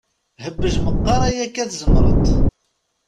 Hbej meqqar ayakka tzemret.